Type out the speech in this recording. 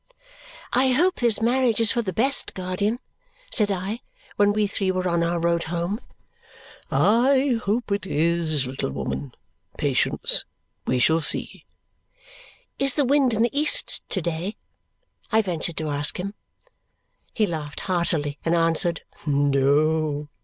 "I hope this marriage is for the best, guardian," said I when we three were on our road home. "I hope it is, little woman. Patience. We shall see." "Is the wind in the east to day?" I ventured to ask him. He laughed heartily and answered, "No."